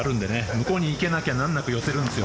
向こうに池がなきゃ難なくいけるんです。